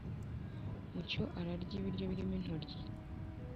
mucyo ararya ibiryo birimo intoryi